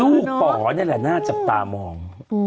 ป๋อนี่แหละน่าจับตามอง